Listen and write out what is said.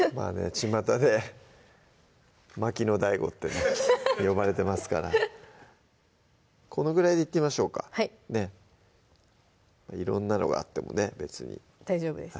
ちまたで「巻きのＤＡＩＧＯ」って呼ばれてますからこのぐらいでいってみましょうかはい色んなのがあってもね別に大丈夫です